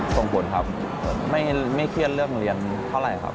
กังวลครับไม่เครียดเรื่องเรียนเท่าไหร่ครับ